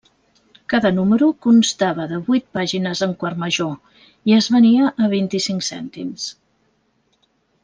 Cada número constava de vuit pàgines en quart major i es venia a vint-i-cinc cèntims.